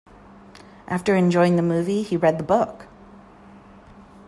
After enjoying the movie, he read the book.